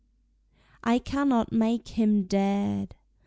I cannot make him dead!